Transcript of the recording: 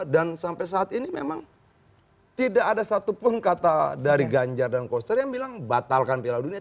dan sampai saat ini memang tidak ada satupun kata dari ganjar dan koster yang bilang batalkan pilihan udunnya